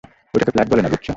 ওটাকে ফ্লার্ট বলে না, বুঝেছো?